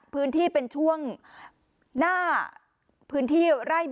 พื้นที่เป็นช่วงหน้าพื้นที่ไล่บ้านเกาะหมู